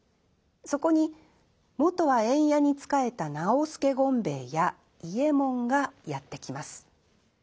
そこに元は塩冶に仕えた直助権兵衛や伊右衛門がやって来ます。